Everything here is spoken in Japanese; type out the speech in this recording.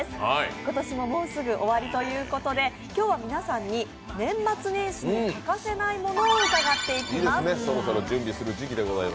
今年ももうすぐ終わりということで、今日は皆さんに年末年始に欠かせない物を伺っていきます。